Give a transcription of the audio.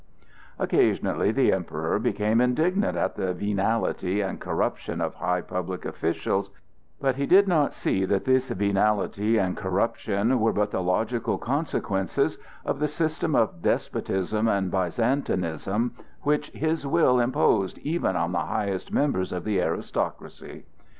Occasionally the Emperor became indignant at the venality and corruption of high public officials; but he did not see that this venality and corruption were but the logical consequence of the system of despotism and Byzantinism which his will imposed even on the highest members of the aristocracy.